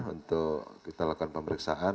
untuk kita lakukan pemeriksaan